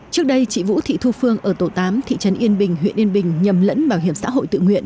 trước đây chị vũ thị thu phương ở tổ tám thị trấn yên bình huyện yên bình nhầm lẫn bảo hiểm xã hội tự nguyện